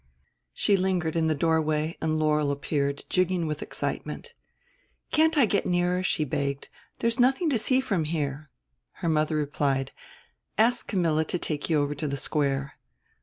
She lingered in the doorway and Laurel appeared, jigging with excitement. "Can't I get nearer," she begged; "there's nothing to see from here." Her mother replied, "Ask Camilla to take you over to the Square."